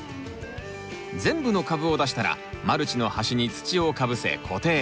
全部の株を出したらマルチの端に土をかぶせ固定。